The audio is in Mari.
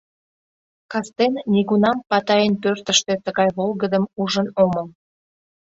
Кастен нигунам Патайын пӧртыштӧ тыгай волгыдым ужын омыл.